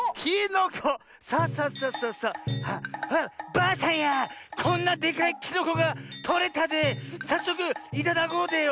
ばあさんやこんなでかいきのこがとれたでさっそくいただこうでよ。